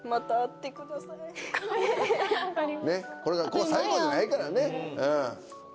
これが最後じゃないからね。